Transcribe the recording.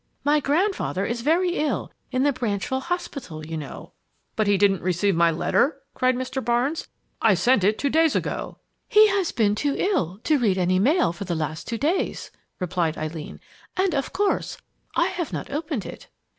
My grandfather is very ill in the Branchville hospital, you know." "But didn't he receive my letter?" cried Mr. Barnes. "I sent it two days ago!" "He has been too ill to read any mail for the last two days," replied Eileen, "and, of course, I have not opened it."